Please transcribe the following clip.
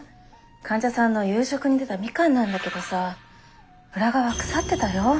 患者さんの夕食に出たみかんなんだけどさ裏側腐ってたよ。